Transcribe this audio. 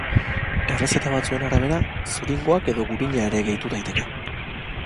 Errezeta batzuen arabera, zuringoak edo gurina ere gehitu daiteke.